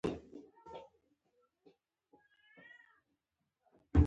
پیاز د چای سره نه کارېږي